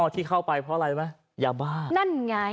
ที่เข้าไปเพราะอะไรไหมยาบ้านั่นไง